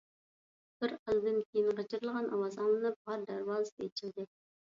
بىرئازدىن كېيىن غىچىرلىغان ئاۋاز ئاڭلىنىپ، غار دەرۋازىسى ئېچىلدى.